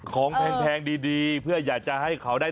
แพงดีเพื่ออยากจะให้เขาได้